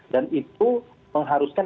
dan itu mengharuskan